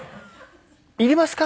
いりますか？